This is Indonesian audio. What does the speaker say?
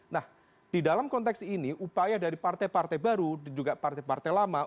nah di dalam konteks ini upaya dari partai partai baru dan juga partai partai lama